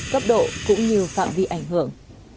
cấp độ cũng như phạm vi ảnh hưởng